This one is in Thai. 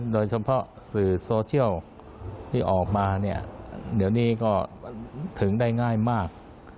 โดยเฉพาะสื่อโซเชียลที่ออกมาเนี่ยเดี๋ยวนี้ก็ถึงได้ง่ายมาก